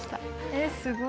えすごい！